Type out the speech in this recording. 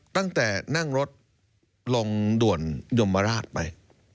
ตั้งแต่นั่งรถลงด่วนยมราชไป